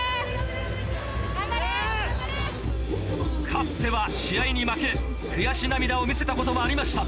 かつては試合に負け悔し涙を見せたこともありました。